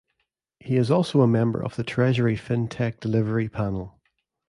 He is also a member of the Treasury Fintech Delivery Panel.